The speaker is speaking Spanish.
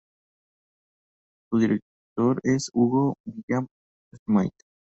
Su director es Hugo Villa Smythe.